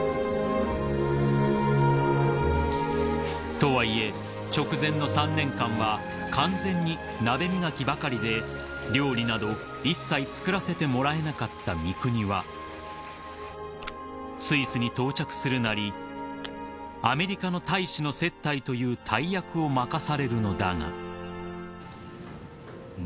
［とはいえ直前の３年間は完全に鍋磨きばかりで料理など一切作らせてもらえなかった三國はスイスに到着するなりアメリカの大使の接待という大役を任されるのだが］